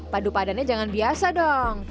padu padannya jangan biasa dong